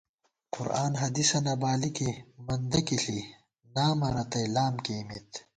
قرآن حدیثہ نہ بالِکے، مندہ کِی ݪی نامہ رتئ لام کېئیمېت